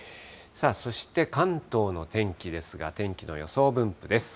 そして関東の天気ですが、天気の予想分布です。